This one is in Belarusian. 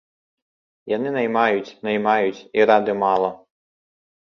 Яны наймаюць, наймаюць і рады мала.